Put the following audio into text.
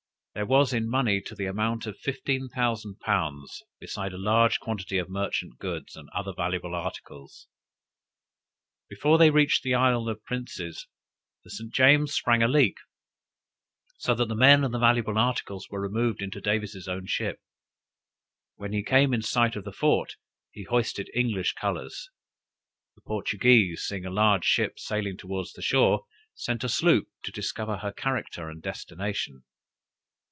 There was in money to the amount of fifteen thousand pounds, besides a large quantity of merchant goods, and other valuable articles. Before they reached the Isle of Princes, the St. James sprang a leak, so that the men and the valuable articles were removed into Davis's own ship. When he came in sight of the fort he hoisted English colors. The Portuguese, seeing a large ship sailing towards the shore, sent a sloop to discover her character and destination.